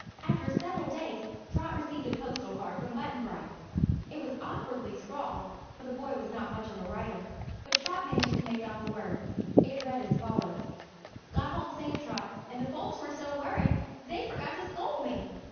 After several days Trot received a postal card from Button Bright. It was awkwardly scrawled, for the boy was not much of a writer, but Trot managed to make out the words. It read as follows: "Got home safe, Trot, and the folks were so worried they forgot to scold me.